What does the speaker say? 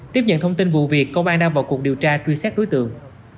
tiếp nhận thông tin vụ việc công an đang vào cuộc điều tra truy xét đối tượng